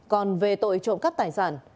còn về tội trộm cắp tài sản